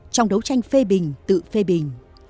trong đấu tranh phê bình tự phê bình